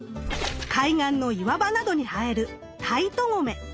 海岸の岩場などに生えるタイトゴメ。